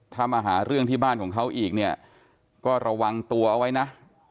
ถ้ามาหาเรื่องที่บ้านของเขาอีกเนี่ยก็ระวังตัวเอาไว้นะ